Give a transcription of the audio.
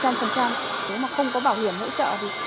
nếu mà không có bảo hiểm hỗ trợ thì